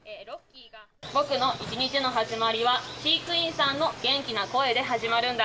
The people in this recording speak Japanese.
僕の一日の始まりは、飼育員さんの元気な声で始まるんだ。